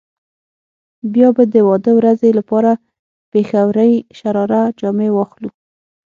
بيا به د واده ورځې لپاره پيښورۍ شراره جامې واخلو.